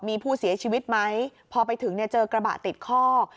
มีผู้เสียชีวิตไหมพอไปถึงเนี่ยเจอกระบะติดคอก